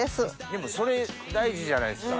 でもそれ大事じゃないですか。